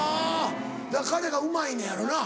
だから彼がうまいのやろな。